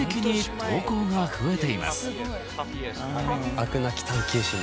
飽くなき探究心が。